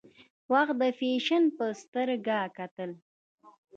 وخت د فیشن په سترګه کتل.